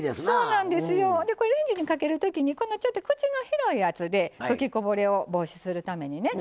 レンジにかけるときに口の広いやつで吹きこぼれを防止するためにね。